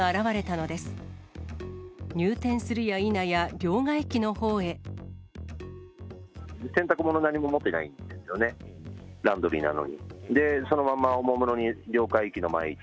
入店するやいなや、両替機のほうへ。